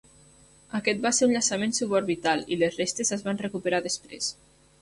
Aquest va ser un llançament suborbital, i les restes es van recuperar després.